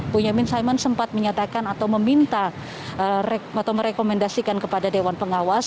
bonyamin saiman sempat menyatakan atau meminta atau merekomendasikan kepada dewan pengawas